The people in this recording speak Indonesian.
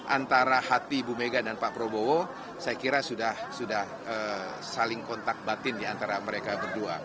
antara hati ibu mega dan pak prabowo saya kira sudah saling kontak batin diantara mereka berdua